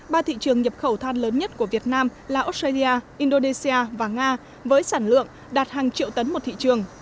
ba thị trường nhập khẩu than lớn nhất của việt nam là australia indonesia và nga với sản lượng đạt hàng triệu tấn một thị trường